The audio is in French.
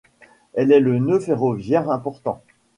Elle est un nœud ferroviaire important.